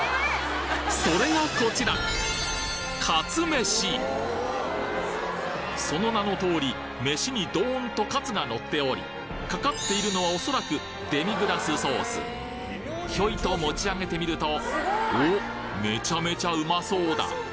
それがこちらその名の通り飯にドーンとカツがのっておりかかっているのはおそらくひょいと持ち上げてみるとおっめちゃめちゃうまそうだ！